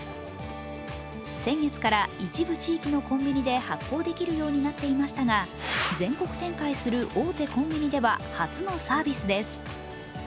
先月から一部地域のコンビニで発行できるようになっていましたが、全国展開する大手コンビニでは初のサービスです。